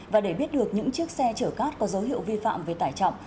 và để biết được những chiếc xe chở cát có dấu hiệu vi phạm về tải trọng